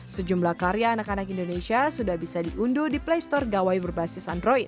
sejumlah karya anak anak indonesia sudah bisa diunduh di playstore gawaii berbasis